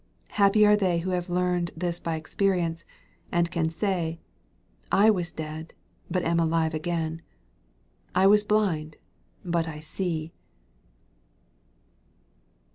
Happy are they who have learned this by experience, and can say, " I was dead, but am alive again : I was blind, but I see."